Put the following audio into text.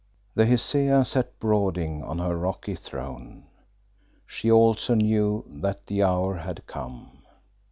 The Hesea sat brooding on her rocky throne. She also knew that the hour had come.